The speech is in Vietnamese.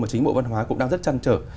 mà chính bộ văn hóa cũng đang rất chăn trở